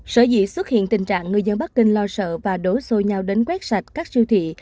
sở dĩ xuất hiện tình trạng người dân bắc kinh lo sợ và đổ xô nhau đến quét sạch các siêu thị